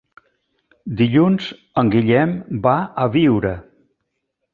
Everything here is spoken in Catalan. Dilluns en Guillem va a Biure.